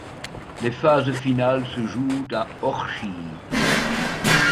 Les phases finales se jouent à Orchies.